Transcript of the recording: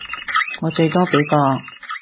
我最多畀個